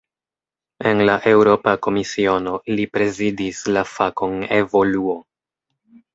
En la Eŭropa Komisiono, li prezidis la fakon "evoluo".